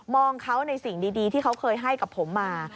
องเขาในสิ่งดีที่เขาเคยให้กับผมมา